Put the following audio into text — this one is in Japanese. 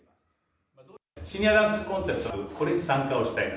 シニアダンスコンテスト、これに参加をしたい。